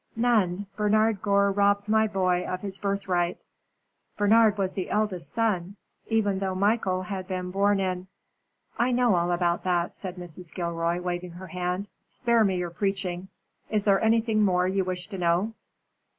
"None. Bernard Gore robbed my boy of his birthright." "Bernard was the eldest son, even though Michael had been born in " "I know all about that," said Mrs. Gilroy, waving her hand, "spare me your preaching. Is there anything more you wish to know?"